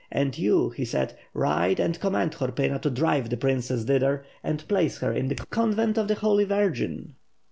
And you,* he said, 'ride and command Horpyna to drive the princess thither and place her in the convent of the Holy Virgin.'